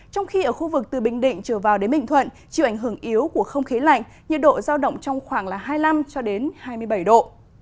trong khi ở khu vực từ bình định trở vào đến bình thuận chịu ảnh hưởng yếu của không khí lạnh nhiệt độ giao động trong khoảng hai mươi năm hai mươi bảy độ